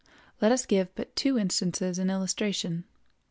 Let us give but two instances in illustration.